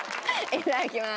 いただきます。